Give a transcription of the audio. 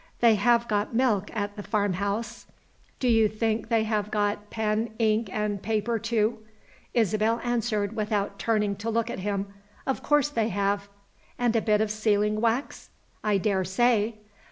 They have got milk at the farmhouse. Do you think they have got pen, ink, and paper too?" Isabel answered, without turning to look at him, "Of course they have!" "And a bit of sealing wax?" "I daresay!"